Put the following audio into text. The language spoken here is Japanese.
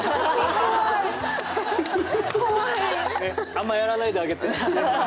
あんまやらないであげて。